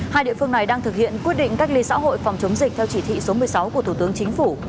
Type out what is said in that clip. hai địa phương này đang thực hiện quyết định cách ly xã hội phòng chống dịch theo chỉ thị số một mươi sáu của thủ tướng chính phủ